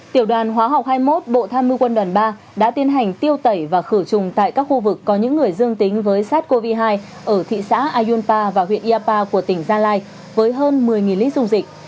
tiểu đoàn hóa học hai mươi một bộ tham mưu quân đoàn ba đã tiến hành tiêu tẩy và khử trùng tại các khu vực có những người dương tính với sars cov hai ở thị xã ayunpa và huyện yapa của tỉnh gia lai với hơn một mươi lít dung dịch